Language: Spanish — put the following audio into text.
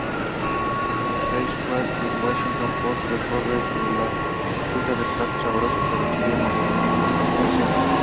Sally Squires del "Washington Post" reconoce que resulta un plato sabroso, pero sugiere moderación.